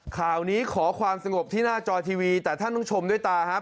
ข่าวนี้ขอความสงบที่หน้าจอทีวีแต่ท่านต้องชมด้วยตาครับ